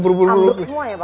amruk semua ya pak